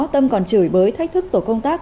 tâm còn chửi bới thách thức tổ công tác